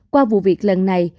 qua vụ việc lần này